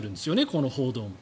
この報道も。